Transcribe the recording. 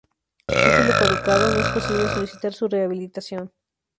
Título caducado, no es posible solicitar su rehabilitación.